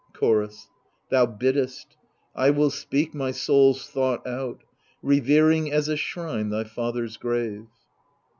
Chorus Thou biddest ; I will speak my soul's thought out, Revering as a shrine thy father's grave.